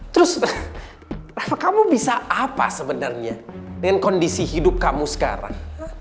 terus kamu bisa apa sebenarnya dengan kondisi hidup kamu sekarang